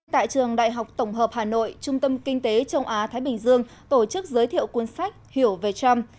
tại trường đại học tổng hợp hà nội trung tâm kinh tế châu á thái bình dương tổ chức giới thiệu cuốn sách hiểu về trump